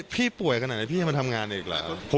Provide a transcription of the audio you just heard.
พี่ป่วยขนาดไหนพี่จะมาทำงานอีกแล้ว